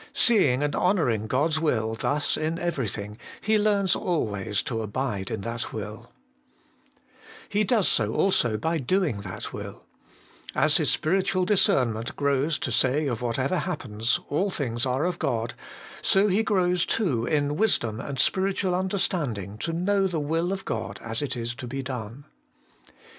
Seeing and honouring God's will thus in everything, he learns always to abide in that will He does so also by doing that will As his 232 HOLY IN CHRIST, spiritual discernment grows to say of whatever happens, ' All things are of God/ so he grows too in wisdom and spiritual understanding to know the will of God as it is to be done.